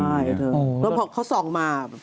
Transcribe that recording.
ใช่เรียบร้อยพอเขาส่องมา